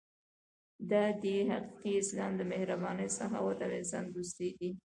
دا دی حقیقي اسلام د مهربانۍ، سخاوت او انسان دوستۍ دین.